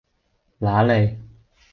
乸脷